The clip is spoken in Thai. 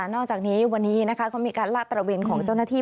นอกจากนี้วันนี้เขามีการลาดตระเวนของเจ้าหน้าที่